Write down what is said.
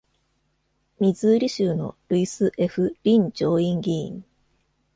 ミズーリ州のルイス・ F ・リン上院議員